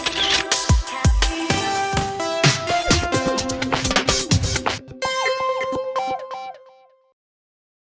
โปรดติดตามตอนต่อไป